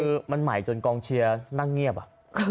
คือมันใหม่จนกองเชียร์นั่งเงียบอ่ะ